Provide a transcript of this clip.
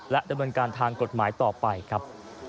ดำเนินการทางกฎหมายต่อไปครับ